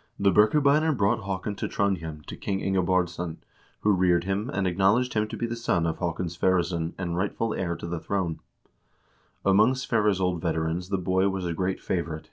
* The Birke beiner brought Haakon to Trondhjem to King Inge Baardsson, who reared him, and acknowledged him to be the son of Haakon Sverres son, and rightful heir to the throne. Among Sverre's old veterans the boy was a great favorite.